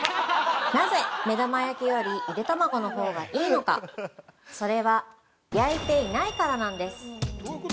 なぜ、目玉焼きよりゆで卵のほうがいいのかそれは焼いていないからなんです。